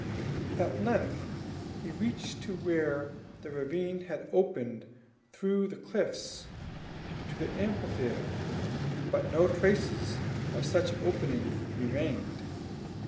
At length he reached to where the ravine had opened through the cliffs to the amphitheatre; but no traces of such opening remained.